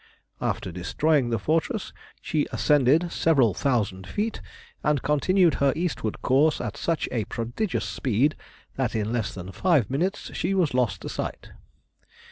After destroying the fortress, she ascended several thousand feet, and continued her eastward course at such a prodigious speed, that in less than five minutes she was lost to sight.